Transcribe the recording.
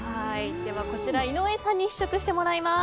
こちら、井上さんに試食してもらいます。